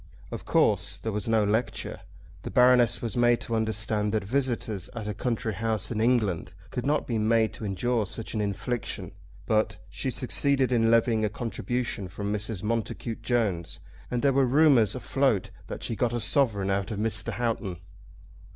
Of course there was no lecture. The Baroness was made to understand that visitors at a country house in England could not be made to endure such an infliction; but she succeeded in levying a contribution from Mrs. Montacute Jones, and there were rumours afloat that she got a sovereign out of Mr. Houghton.